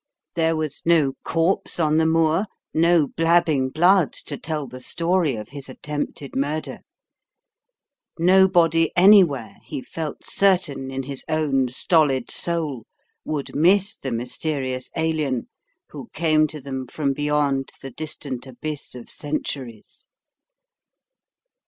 There was no corpse on the moor, no blabbing blood to tell the story of his attempted murder: nobody anywhere, he felt certain in his own stolid soul, would miss the mysterious Alien who came to them from beyond the distant abyss of centuries.